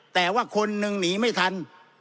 แต่ว่าคนนึงหนีไม่ทัน